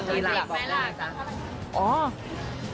กี่หลักบอกได้